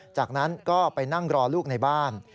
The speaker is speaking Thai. จากนั้นก็ไปนั่งรอลูกในบ้าน